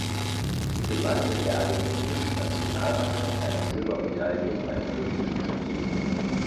Sie gewann mit der argentinischen Nationalmannschaft eine Silbermedaille bei Olympischen Spielen.